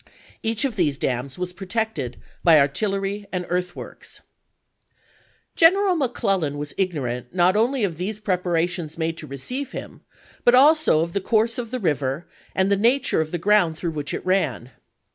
Each of these dams was protected by artillery and earthworks. General McClellan was ignorant not only of these preparations made to receive him, but also of the course of the river and the nature of the ground through which it ran.